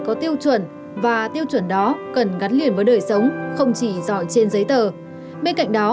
có tiêu chuẩn và tiêu chuẩn đó cần gắn liền với đời sống không chỉ giỏi trên giấy tờ bên cạnh đó